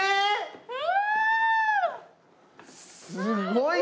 すごーい！